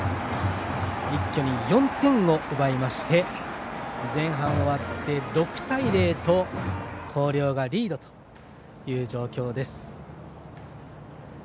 一挙に４点を奪いまして前半終わって６対０と広陵がリードという状況です。